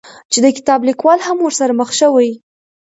چې د کتاب ليکوال هم ورسره مخ شوى،